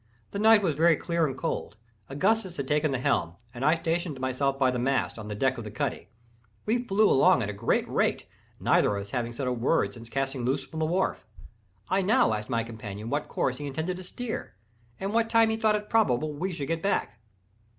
The night was very clear and cold. Augustus had taken the helm, and I stationed myself by the mast, on the deck of the cuddy. We flew along at a great rate—neither of us having said a word since casting loose from the wharf. I now asked my companion what course he intended to steer, and what time he thought it probable we should get back.